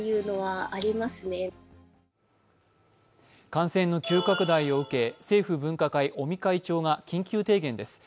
感染の急拡大を受け政府分科会、尾身会長が緊急提言です。